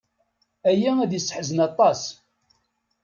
Aya ad yesseḥzen aṭas.